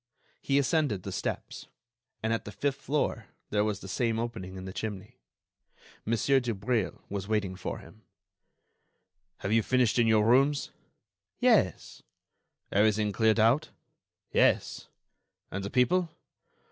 He ascended the steps, and at the fifth floor there was the same opening in the chimney. Mon. Dubreuil was waiting for him. "Have you finished in your rooms?" "Yes." "Everything cleared out?" "Yes." "And the people?"